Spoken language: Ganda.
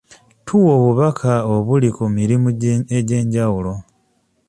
Tuwa obubaka obuliko ku mirimu egy'enjawulo.